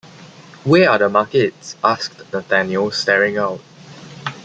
“Where are the markets?” asked Nathaniel staring out.